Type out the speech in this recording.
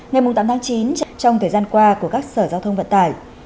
ngày tám tháng chín trong thời gian qua của các sở giao thông vận tải